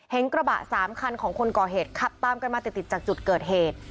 กระบะ๓คันของคนก่อเหตุขับตามกันมาติดจากจุดเกิดเหตุ